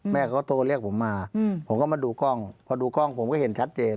แม่เขาโทรเรียกผมมาผมก็มาดูกล้องพอดูกล้องผมก็เห็นชัดเจน